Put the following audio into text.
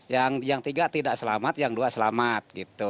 yang tiga tidak selamat yang dua selamat gitu